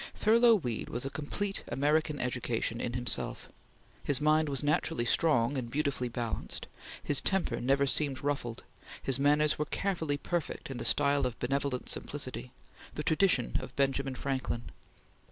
Thurlow Weed was a complete American education in himself. His mind was naturally strong and beautifully balanced; his temper never seemed ruffled; his manners were carefully perfect in the style of benevolent simplicity, the tradition of Benjamin Franklin.